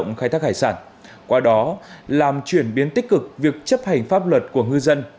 ngoài đó làm chuyển biến tích cực việc chấp hành pháp luật của ngư dân